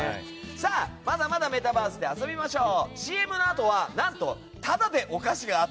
まだまだメタバースで遊びましょう。